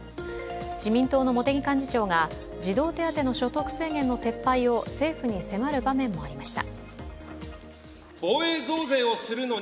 自民党の茂木幹事長が児童手当の所得制限の撤廃を政府に迫る場面もありました。